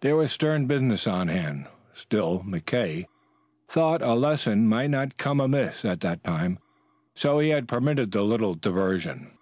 There was stern business on hand. Still McKay thought a lesson might not come amiss at that time, so he had permitted the little diversion.